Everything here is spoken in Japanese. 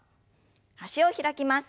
脚を開きます。